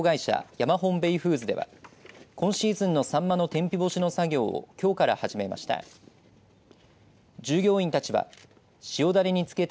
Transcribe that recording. ヤマホンベイフーズでは今シーズンのさんまの天日干しの作業をきょうから始めました。